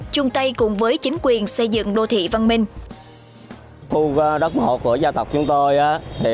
chung tay cùng với chính quyền xây dựng đô thị văn minh